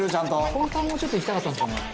「本当はもうちょっといきたかったんですかね」